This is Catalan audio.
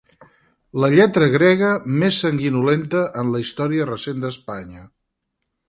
La lletra grega més sanguinolenta en la història recent d'Espanya.